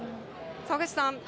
澤口さん。